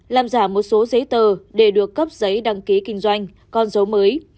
làm giả một số giấy tờ để được cấp giấy đăng ký kinh doanh con dấu mới